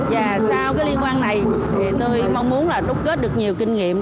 và sau cái liên quan này tôi mong muốn rút kết được nhiều kinh nghiệm